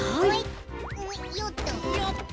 よっと。